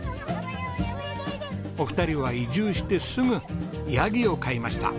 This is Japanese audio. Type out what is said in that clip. お二人は移住してすぐヤギを飼いました。